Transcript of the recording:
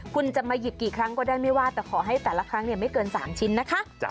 คุณจะมาหยิบกี่ครั้งก็ได้ไม่ว่าแต่ขอให้แต่ละครั้งไม่เกิน๓ชิ้นนะคะ